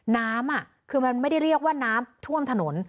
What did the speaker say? น้ำคือมันไม่ได้เรียกว่าน้ำท่วมถนน